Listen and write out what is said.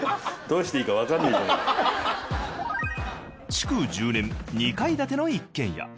築１０年二階建ての一軒家。